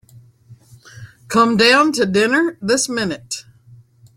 Come down to dinner this minute.